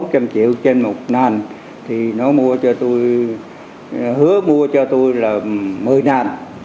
một trăm linh triệu trên một nền thì nó mua cho tôi hứa mua cho tôi là một mươi ngàn